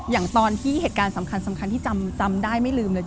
อย่างตอนที่เหตุการณ์สำคัญที่จำได้ไม่ลืมเลย